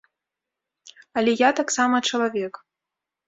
Але я таксама чалавек.